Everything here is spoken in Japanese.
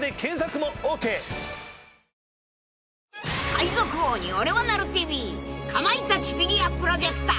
［『海賊王におれはなるＴＶ』かまいたちフィギュアプロジェクト］